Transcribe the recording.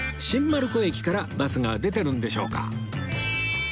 新丸子駅からバスが出てるんでしょうか？